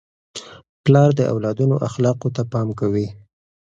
پلار د اولادونو اخلاقو ته پام کوي.